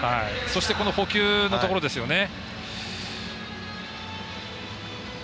そしてこの捕球のところですよね。